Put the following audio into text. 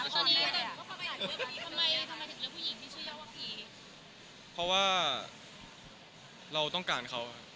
ชอบผลงานเขา